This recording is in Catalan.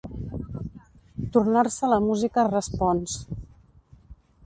Tornar-se la música respons.